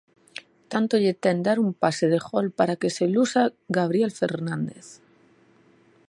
Tanto lle ten dar un pase de gol para que se luza Gabriel Fernández...